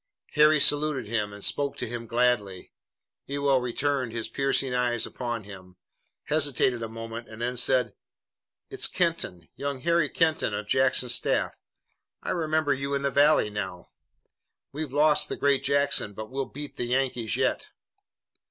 Harry saluted him and spoke to him gladly. Ewell turned his piercing eyes upon him, hesitated a moment, and then said: "It's Kenton, young Harry Kenton of Jackson's staff. I remember you in the Valley now. We've lost the great Jackson, but we'll beat the Yankees yet."